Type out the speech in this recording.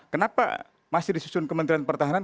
kenapa masih disusun kementerian pertahanan